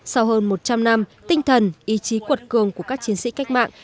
sau hơn một trăm linh năm tinh thần ý chí cuột cường của các chiến sĩ cách mạng